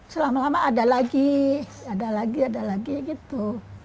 selama lama ada lagi ada lagi ada lagi gitu